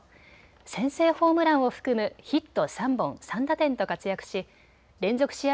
先制ホームランを含むヒット３本、３打点と活躍し連続試合